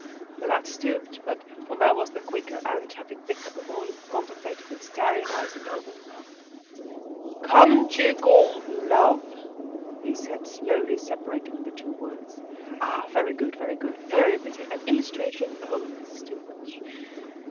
The lad stooped, but Homais was the quicker, and, having picked up the volume, contemplated it with staring eyes and open mouth. "CONJUGAL LOVE!" he said, slowly separating the two words. "Ah! very good! very good! very pretty! And illustrations! Oh, this is too much!"